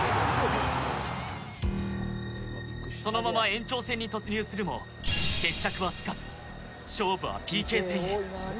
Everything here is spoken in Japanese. そのまま延長戦に突入するも決着はつかず勝負はＰＫ戦へ。